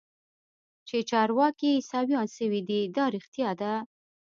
چې چارواکي عيسويان سوي دي دا رښتيا ده.